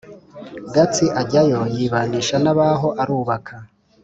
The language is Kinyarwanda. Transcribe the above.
Gatsi ajyayo yibanisha n'abaho arubaka